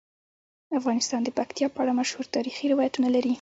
افغانستان د پکتیا په اړه مشهور تاریخی روایتونه لري.